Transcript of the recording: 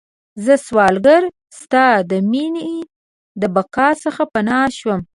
زه سوالګره ستا د میینې، د بقا څخه پناه شوم